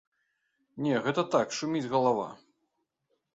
Не, гэта так, шуміць галава.